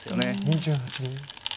２８秒。